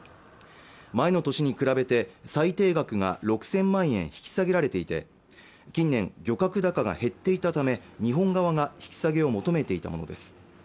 前の年に比べて最低額が６０００万円引き下げられていて近年漁獲高が減っていたため日本側が引き下げを求めていたものです